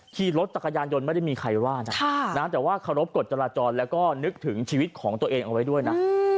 ขี่รถจักรยานยนต์ไม่ได้มีใครว่านะแต่ว่าเคารพกฎจราจรแล้วก็นึกถึงชีวิตของตัวเองเอาไว้ด้วยนะ